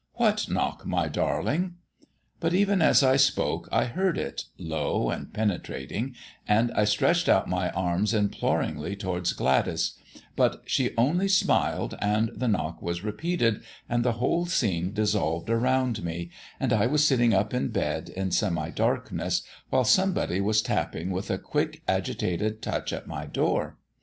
"What knock, my darling?" But even as I spoke I heard it, low and penetrating, and I stretched out my arms imploringly towards Gladys; but she only smiled, and the knock was repeated, and the whole scene dissolved around me, and I was sitting up in bed in semi darkness, while somebody was tapping with a quick agitated touch at my door.